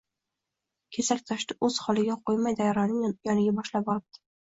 Kesak toshni o‘z holiga qo‘ymay daryoning yoniga boshlab boribdi